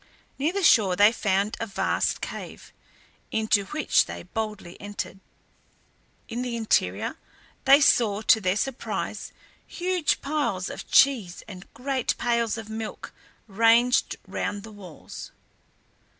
Near the shore they found a vast cave, into which they boldly entered. In the interior they saw to their surprise huge piles of cheese and great pails of milk ranged round the walls.